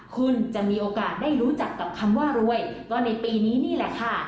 คุณจะมีโอกาสได้รู้จักกับคำว่ารวยก็ในปีนี้นี่แหละค่ะ